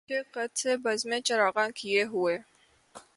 جوشِ قدح سے بزمِ چراغاں کئے ہوئے